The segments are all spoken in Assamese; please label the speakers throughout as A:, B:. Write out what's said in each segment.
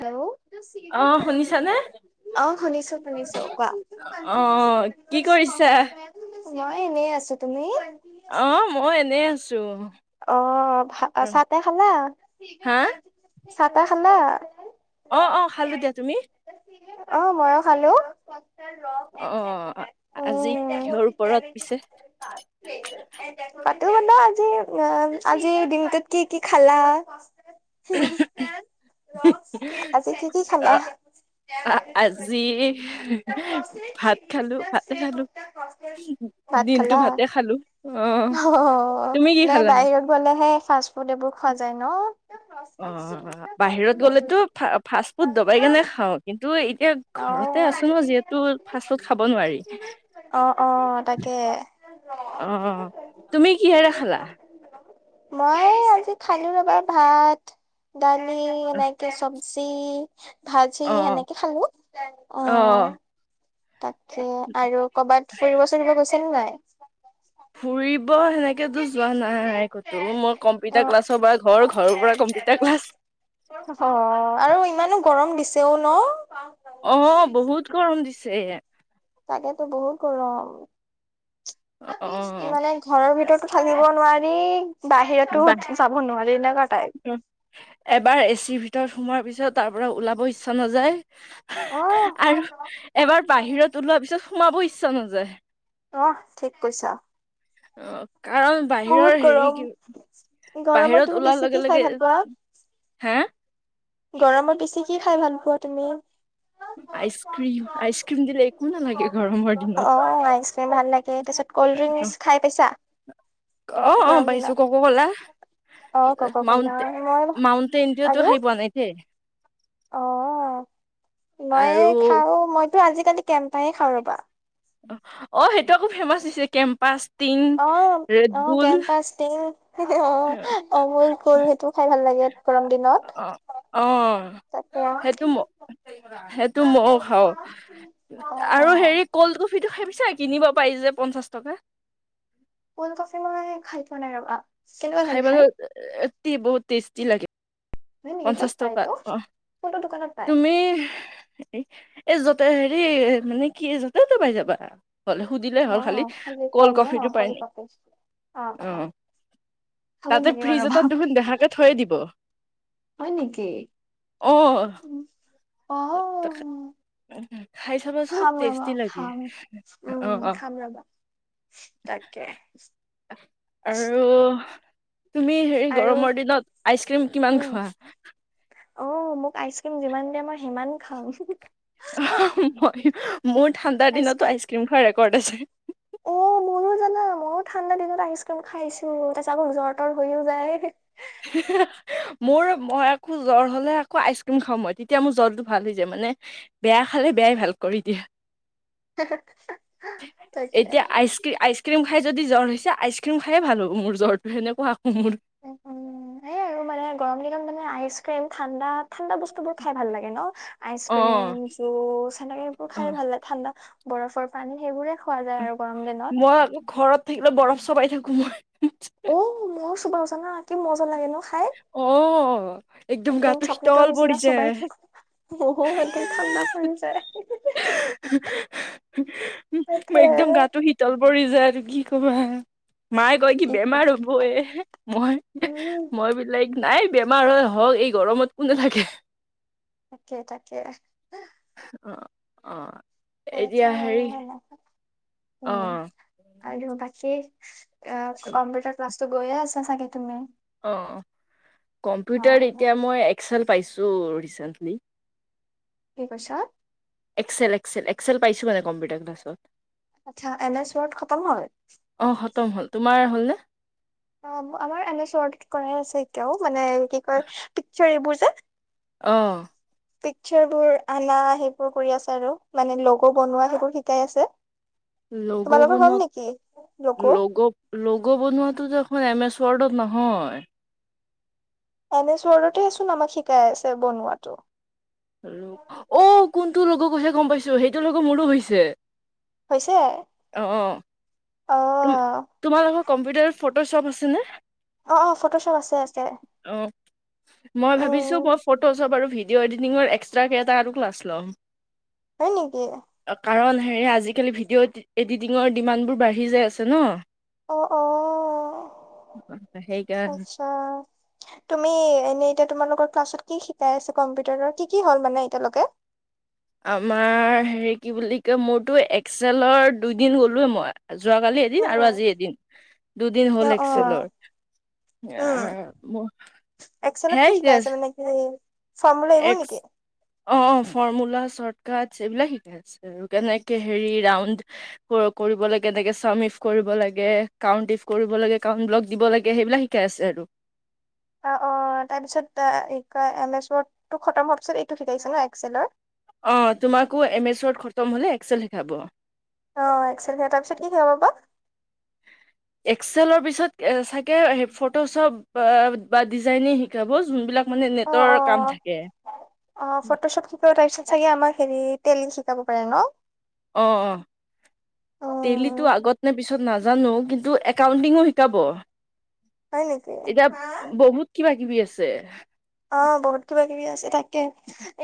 A: হেল্ল'।
B: অ' শুনিছানে?
A: অ' শুনিছো শুনিছো কোৱা।
B: অ কি কৰিছা
A: মই এনেই আছো। তুমি?
B: অ' ময়ো এনেই আছো।
A: অ' ভ
B: ৰ-
A: চা-তা খালা?
B: হা
A: চাহ-তাহ খালা?
B: অ' অ' খালো দিয়া। তুমি?
A: অ' মইয়ো খালো।
B: অ আজি
A: উম
B: কিহৰ ওপৰত পিছে
A: [unintelligible] পাতো মানে আজি, অ আজি দিনটোত কি কি খালা? আজি কি কি
B: অ
A: খালা?
B: আজি ভাত খালো, ভাতে খালো।
A: ভাত
B: দিনটো
A: খালা?
B: ভাতে খালো অ
A: অ'
B: তুমি কি
A: নাই
B: খালা
A: বাহিৰত গ'লেহে ফাষ্ট ফুড এইবোৰ খোৱা যায় ন?
B: অ' বাহিৰত গ'লেতো ফাষ্টফুড দবাই কেনে খাওঁ। কিন্তু এতিয়া ঘৰতে
A: অ',
B: আছো ন! যিহেতু ফাষ্টফুড খাব নোৱাৰি।
A: অ', অ তাকে
B: অ'। তুমি কিহেৰে খালা?
A: মই আজি খালো ৰ'বা ভাত, দালি, এনেকে চব জি, ভাজি
B: অ
A: সেনেকে খালো। অ'। তাকে, আৰু ক'ৰবাত ফুৰিব-চুৰিব গৈছা নে নাই?
B: ফুৰি ব সেনেকেতো যোৱা নাই ক'তো, মই কম্পিউটাৰ ক্লাছৰ পৰা ঘৰ, ঘৰৰ পৰা কম্পিউটাৰ ক্লাছ
A: অ' আৰু ইমানো গৰম দিছেও ন?
B: অ' বহুত গৰম দিছে।
A: তাকেতো বহুত গৰম।
B: অ'
A: মানে ঘৰৰ ভিতৰতো থাকিব নোৱাৰি। বাহিৰতো
B: বা
A: যাব নোৱাৰি এনেকুৱা টাইপ।
B: এবাৰ এচিৰ ভিতৰত সোমোৱাৰ পিছত তাৰ পৰা ওলাব ইচ্ছা নাযায়,
A: অ',
B: আৰু এবাৰ বাহিৰত ওলোৱা পিছত সমাবো ইচ্ছা নাযায়।
A: অ' ঠিক কৈছ।
B: অ কাৰণ বাহিৰৰ হেৰি কি
A: গৰমত
B: বাহিৰত
A: তুমি
B: ওলাৰ
A: বেছি কি
B: লগে
A: খাই
B: লগে,
A: ভাল পোৱা?
B: হে?
A: গৰমত বেছি কি খাই ভাল পোৱা তুমি?
B: [inaudible] আইচ ক্ৰীম, আইচক্ৰীম দিলে একো নালাগে গৰমৰ দিনত।
A: তু খাই পাইছা
B: অ অ
A: গৰম
B: পাইছো
A: দিনত?
B: ককো কলা।
A: অ', ককা-কলা
B: মাউণ্ট
A: মই
B: মাউটেণ্ডিউটো
A: আৰু
B: খাই পোৱা নাই দেই
A: অ মই
B: আৰু
A: খাও মইতো আজিকালি কেমপাহে খাওঁ ৰবা
B: অ অ সেইটো আকৌ ফেমাচ হৈছে কেম্পাচ টিং
A: অ অ
B: ৰেডবুল
A: কেম্পছ দে অ অমল কল সেইটো খাই ভাল লাগে গৰম দিনত
B: অ অ
A: তাতে
B: সেইটো ম- সেইটো মইয়ও খাও
A: অ',
B: আৰু
A: অ'।
B: হেৰি কলটো তিটো খাইিছা কিনিব পাৰি যে পঞ্চাশ টকা
A: কল্ড কফি মই খাই পোৱা নাই ৰবা কেনেকুৱা লাগে খাই
B: খাইবলৈ এ বহুত টেষ্টি লাগে-
A: হয় নেকি ক'ত
B: পঞ্চাশ
A: পায়
B: টকা
A: এইটো
B: অ
A: কোনটো দোকানত পায়
B: তুমি এই য হেৰি মানে কি জত তো পাই যাবা হলে সুধিলে
A: অ
B: হ'ল খালি কল্ড
A: কম ন
B: কফিটো পাই
A: কোল্ড
B: নে
A: কফি
B: অ-
A: খাব
B: তাতে
A: লাগিব
B: ফ্ৰিজ
A: ৰবা
B: এটাত দুখোন দেহাকে থৈ দিব।
A: হয় নেকি?
B: অ
A: উ-
B: [inaudible] খাই চাব চোন
A: খাম ৰবা
B: টেষ্টি লাগে
A: খাম উম
B: অ অ।
A: খাম ৰবা তাকে
B: আৰু তুমি হে
A: আৰু
B: গৰমৰ দিনত আইচ ক্ৰীম কিমান
A: উম
B: খোৱা?
A: অ মোক আইচক্ৰীম যিমান দিয়া ম আৰু সিমান খাওঁ।
B: মই মোৰ ঠাণ্ডাৰ দিনতো আইচ ক্ৰীম খোৱাৰ ৰেকৰ্ড আছে।
A: ন মই ঠাণ্ডা দিনত আইচ ক্ৰীম খাইছো, তাৰপিছট আকৌ জ্বৰ তৰ হৈয়ও যায়।
B: [unintelligible] মোৰ মই আকৌ জ্বৰ হলে আকৌ আইচক্ৰীম খাওঁ মই তেতিয়া মোৰ জ্বৰটো ভাল হৈ যায় মানে মানে বেয়া খালে বেয়াই ভাল কৰি দিয়ে।
A: তাকে
B: এতিয়া আইচক্ৰীম আইচ আইচক্ৰীম খাই যদি জ্বৰ হৈছে, আইচ ক্ৰীম খায় ভাল হ'ব মোৰ সেনেকোৱা আকৌ মোৰ
A: উ এই আৰু মানে গৰম দিনত মানে আইচ ক্ৰীম ঠাণ্ডাত ঠাণ্ডা বস্তু বোৰ খাই ভাল লাগে ন? আইচ
B: অ
A: ক্ৰীম জুচ সেনেকে এইবোৰ
B: অ
A: খাই ভাল লাগে ঠাণ্ডা বৰফৰ পানী সেইবোৰে খোৱা যায় আৰু গৰম দিনত
B: মই আকৌ ঘৰত থাকিলে বৰফ চবাই থাকো মই
A: অ মইয়ো চোবাও জানা কি মজা লাগে ন? খাই
B: অ
A: একদম
B: গাটো
A: চকলেটৰ
B: শীতল পৰি
A: নিচিনা
B: যায়।
A: চোবাই- অহ হ সেইটো ঠান্দা পৰি যায় [unintelligible] তাকে
B: মই একদম গাটো শীতল পৰি যায় আৰু কি কবা মায়ে কয় কি বেমাৰ হবয় মই
A: উম,
B: মই বি লাইক নাই বেমাৰ হৈ হওক এই গৰমত কোনে থাকে
A: তাকে, তাকে,।
B: অ- অ-।
A: খাইছা
B: এতিয়া
A: আৰু
B: হেৰি
A: হয় নাই
B: অ
A: উম! আৰু বাকী কম্পিউটাৰ ক্লাছটো গৈয়ে আছা চাগে তুমি?
B: অ,
A: অ',
B: কম্পিউটাৰ
A: অ',
B: এতিয়া মই এক্সেল পাইছোঁ, ৰিচেন্টলি
A: কি কৈছা?
B: এক্সেল, এক্সেল, এক্সেল, পাইছোঁ মানে কম্পউটাৰ ক্লাছত।
A: আচ্ছা এম এছ ৱৰ্ড খতম হল।
B: হলনে,।
A: অ আমাৰ এম এছ ৱৰ্ড কৰাই আছে এতিয়াও মানে কি কয় পিকচাৰ্ এইবোৰ যে
B: অহ।
A: পিকচাৰ বোৰ আনা সেইবোৰ কৰি আছে আৰু মানে লগো বনোৱা সেইবোৰ শিকাই আছে।
B: লগ
A: তোমালোকৰ হ'ল
B: বনাত
A: নেকি
B: লগ লগ বনোৱাতো দে এম এছ। ৱৰ্ডত নহয়
A: এম এছ উৱ চৰ্্ডতে ছোন আমাক শিকাই আছে বনোৱাটো।
B: অ কোনটো লগৰ কৈছে গম পাইছোঁ সেইটোৰ লগৰ মোৰো হৈছে।
A: হৈছে। অ
B: তো তোমালোকৰ কম্পিউটাৰত ফটো শ্বপ আছে নে।
A: অ, অ, ফটো শ্বপ আছে আছে।
B: অ মই ভাবিছোঁ
A: উম
B: মই ফটো শ্বপ আৰু ভিডিঅ' এডিটিঙৰ এক্সট্ৰা এটাকে আৰু ক্লাছ ল'ম।
A: হয় নেকি?
B: কাৰণ হেৰি আজিকালি ভিডিঅ' এডিটিঙৰ ডিমাণ্ডবোৰ বাঢ়ি যায় আছে ন।
A: অ, অ, অহ।
B: সেইকাৰণে
A: আচ্ছা তুমি এনেই। এতিয়া তোমালোকৰ ক্লাছত কি শিকাই আছে কম্পিউটাৰৰ কি কি হল মানে এতিয়ালৈকে।
B: আমাৰ হেৰি কি বুলি কয় মোৰতো এক্সেলৰ দুইদিন গলোৱে মই। যোৱাকালি এদিন আৰু
A: উম
B: আজি এদিন, দুদিন
A: অ
B: হ'ল
A: অ
B: এক্সেলৰ।
A: উম এক্সেলত কি
B: আহ--সেই দেছ।
A: শিকাইছে মানে কি ফৰ্মুলা এইবোৰ
B: এক্স
A: নেকি?
B: অ, অ ফৰ্ মূলা চৰ্ট। বাক শিকাই আৰু কেনেকে হেৰি ৰাউণ্ড কৰিব লাগে কেনেকে চামিফ কৰিব। দিব লাগে, কাউণ্টিফ কৰিব লাগে, একাউন্ট দিব লাগে সেইবিলাক শিকাই আছে।
A: অ, অ, তাৰপিছত আহ কি কয় এম এছ ৱৰ্ড খতম হোৱাৰ পিছত এইটো শিকাইছে ন এক্সেলৰ।
B: অ তোমাকো এম এছ ৱৰ্ড খতম হ'লে এক্সেল শিকাব
A: আহ এক্সেল দিয়া তাৰ পিছত কি কৰাব বা?
B: এক্সেল পিছত চাগে স ফটোশ্বপ বা ডিজাইনিং শিকাব যোনবিলাক। মানে
A: অ',
B: নেটৰ কাম
A: অ',
B: থাকে।
A: অ', ফটোশ্বপ শিকাব তাৰপিছত চাগে আমাক হেৰি তেলি টেলি শিকাব পাৰে ন?
B: অ- অ- টেলিটো
A: উম,
B: আগত নে পিছত নাজানো কিন্তু একাউণ্টিঙো শিকাব।
A: হয় নেকি?
B: এতিয়া বহুত কিবা কিবি আছে
A: অ বহুত কিবা কিবি আছে তাকে,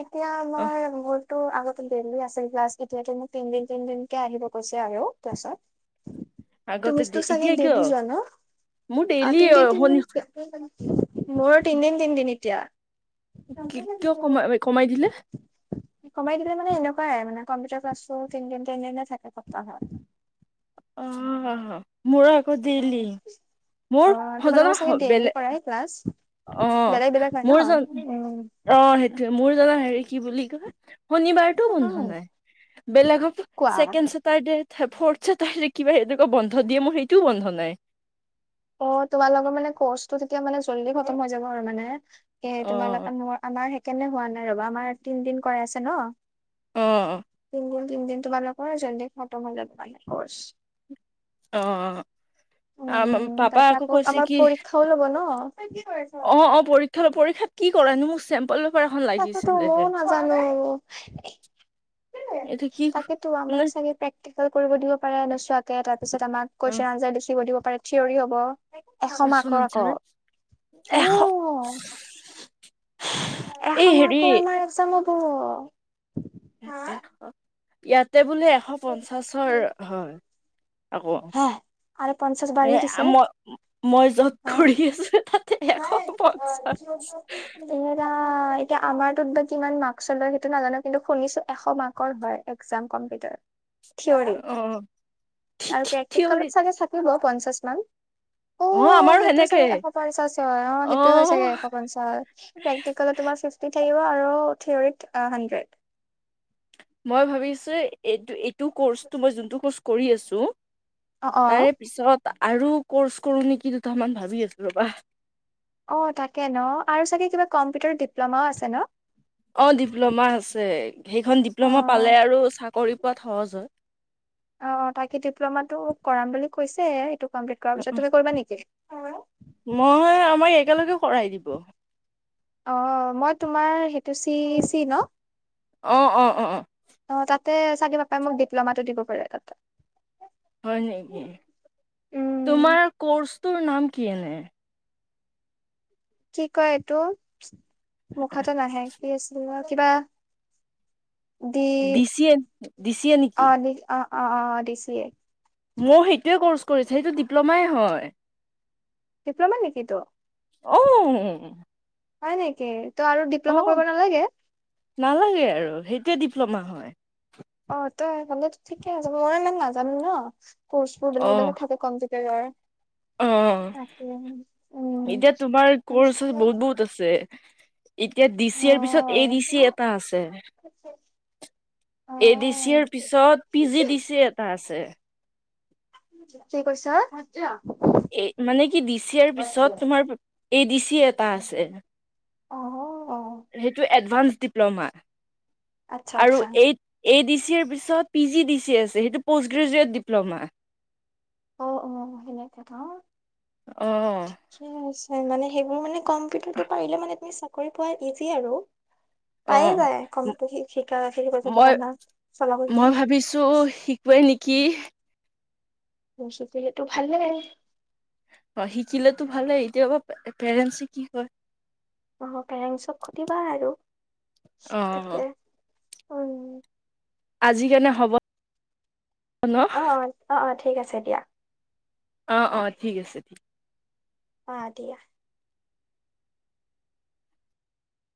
A: এতিয়া
B: অ
A: আমাৰ বহুত। তো আগতে দেইলি আছে ক্লাছ এতিয়াতো মোক তিন দিন, তিন দিনকে, আহিব কৈছে আৰু ক্লাছত। তুমি
B: আগতে
A: তোক চাগে
B: এতিয়া কিয়
A: দেলি যোৱা ন
B: মোৰ
A: আহ
B: ডেইলি
A: তিনদিন
B: শনি
A: তিনদিন মোৰো তিনদিন তিনদিন এতিয়া
B: কিয় কমাই কমাই দিলে
A: কমাই দিলে মানে এনেকুৱাই মানে। কম্পিউটাৰ ক্লাটো তিনদিন তিনদিনে থাকে সপ্তাহত।
B: অ'! মোৰ আকৌ ডেইলি
A: অ
B: মোৰ
A: তোমালোকৰ চাগে
B: সজনা
A: ডেইলি
B: বেলেগ
A: কৰাই
B: [unintelligible]
A: ক্লাছ
B: অ
A: বেলেগ বেলেগ
B: মোৰ
A: হয়
B: জন
A: ন উম।
B: অ সেইটোৱে মোৰ জনা হেৰি কি বুলি কয় শনিবাৰটো বন্ধ
A: উম
B: নাই বেলেগক
A: কি কোৱা
B: ছেকেণ্ড চছেটাৰ্ডে সে ফ্ৰৰ্থ চাটাৰ কিবা এনেকুৱা বন্ধ দিয়ে মোৰ সেইটোও বন্ধ নাই৷
A: অ তোমালোকৰ মানে কৰ্চটো তেতিয়া মানে জল্দি খতম হৈ যাব আৰু মানে৷ এ
B: অ
A: তোমালোক আম আমাৰ সেইকাৰণে হোৱা নাই ৰবা আমাৰ তিনদিন কৰাই আছে ন৷
B: অ
A: দুই তিনদিন তোমালোকৰ যইন্ধিগ খতম হয় যাব বছ [unintelligible]
B: অহ আমম পাপা
A: তাকে
B: আকৌ কৈছে
A: আমাৰ
B: কি
A: পৰীক্ষাও ল'ব ন
B: অ-অ পৰীক্ষা ল'ব পৰীক্ষাত কি কৰেনো মোক চেম্পল পেপাৰ এখন
A: তাকেতো
B: লাগিছিলে
A: মইও নাজানো৷
B: এইটো কি
A: তাকেতো আমাক চাগে প্ৰেক্টিকেল কৰিব দিব পাৰে নোচোৱাকে তাৰপিছত আমাক কুৱেচন আঞ্চাৰ লিখিব দিব পাৰে থিয়ৰি হ'ব৷ এশ
B: কোৱাচোন
A: মাৰ্কৰ
B: আনচাৰ
A: আকৌ,
B: এশ
A: অ! এশ
B: এই হেৰি
A: মাৰ্কৰ আমাৰ একজাম হ'ব!
B: ইয়াতে বোলে এশ পঞ্চাশৰ হয়৷ আকৌ
A: হে আৰু পঞ্চাশ
B: এ
A: বাঢ়ি দিছে
B: মই-মই য'ত কৰি আছো তাতে এশ পঞ্চাশ
A: তেহেৰা আ এতিয়া আমাৰ তোত বা কিমান মাৰ্ক লয় সেইটো নাজানো কিন্তু শুনিছো এশ মাৰ্কৰ হয় এক্জাম কম ভিতত
B: অ
A: আৰু
B: থিয়ৰিত
A: প্ৰেক্টিকেলত চাগে থাকিব পঞ্চাশ মান?
B: অ
A: অ
B: আমাৰো
A: সেইটো
B: সেনেকে
A: চাগে এশ পঞ্চাশ হয় অ সেইটোৱে হয় চাগে এশ পঞ্চাশ পেক্তিকেলৰ তোমাৰ ফ্ৰীফ- থাকিব [unintelligible] আৰু ট্ৰীয়ৰিত আ হান্ড্ৰড৷
B: মই ভাবিছোঁ এইটো ইটো কৰ্চটো মই যোনটো কৰ্চ কৰি আছোঁ
A: অ', অ',
B: তাৰে পিছত আৰু কৰ্চ কৰোঁ নেকি দুটামান ভাবি আছোঁ ৰ'বা৷
A: অ তাকে ন আৰু চাগে কিবা কম্পিউটাৰত ডিপ্ল'মাও আছে ন?
B: অ ডিপ্ল'মা আছে সেইখন ডিপ্ল'মা পালে
A: অ',
B: আৰু চাকৰি পোৱাত সহজ হয়৷
A: অ তাকে ডিপ্ল'মাটো কৰাম বুলি কৈছে এইটো কমপ্লিট কৰাৰ পিছত তুমি কৰিবা নেকি?
B: মই আমাৰ একেলগে কৰাই দিব।
A: অ মই তোমাৰ সেইটো চি চি ন?
B: অ-অ-অ-অ
A: অ তাতে চাগে পাপাই মোক ডিপ্ল'মাটো দিব পাৰে তাতে৷
B: হয় নেকি
A: উম,
B: তোমাৰ কৰ্চটোৰ নাম কি এনে?
A: কি কয় এইটো মুখতে নাহে কি আছিলে কিবা দি
B: দিছিএ-দিছিএ নেকি?
A: অ-অ-অ দিছিয়ে
B: মও সেইটোৱে ক'ৰ্চ কৰিছে। সেইটো ডিপ্ল'মাই হয়।
A: ডিপ্ল'মা নেকি তো?
B: ঔ
A: হয় নেকি? ত আৰু ডিপ্ল'মা কৰিব নালাগে?
B: টোৱে ডিপ্ল'মা হয়।
A: অ ত সেইফালেদি ঠিকে আছে। মই ইমান নাজানো ন, কৰ্চবোৰ
B: অ
A: বেলেগ বেলেগ থাকে কম [unintelligible]
B: অ,
A: উম
B: এতিয়া তোমাৰ কৰ্চ বহুত বহুত আছে। এতিয়া ডি
A: অ
B: চি আই পিছত এ ডি চি এটা আছে।
A: অ
B: এ ডি চি ৰ পিছত পি জি ডি চি এটা আছে।
A: কি কৈছা।
B: মানে কি ডি চি ৰ পিছত তোমাৰ এ ডি চি এটা আছে।
A: অহ অ।
B: সেইটো এডভান্স ডিপ্ল'মা। ‌
A: আচ্ছা আচ্ছা।
B: এ ডি চি ৰ পিছত পি জি ডি চি আছে সেইটো প'ষ্ট গ্ৰেজুৱেট ডিপ্ল'মা।
A: অ অ সেনেকা কথা
B: অ
A: ঠিকে আছে। হয় মানে সেইবোৰ মানে কম্পিউটাৰটো পাৰিলে মানে তুমি চাকৰি পোৱা ইজি আৰু।
B: [unintelligible] অ
A: পায়ে যায় কম্পিউটাৰ শিকা শিকিব যদি
B: মই
A: জানা চলাব জানা
B: মই ভাবিছোঁ শিকোৱেই নেকি। কি।
A: মোক চোপি সেইটো ভাল লাগা নাই
B: অ শিকিলেতো ভালে এতিয়াবা পেৰেন্টচ কি কয়।
A: অ পেৰেঞ্চ চক সুবিধা আৰু
B: অ
A: তাকে। উম
B: আজি কাৰনে হ'ব। ন
A: অ অ অ অ ঠিক আছে দিয়া।
B: অ অ ঠিক আছে ঠিক।
A: অ দিয়া।